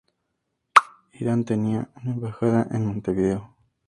Irán tiene una embajada en Montevideo.